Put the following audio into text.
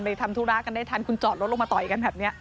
ทำธุระกันได้ทันคุณจอดรถลงมาต่อยกันแบบนี้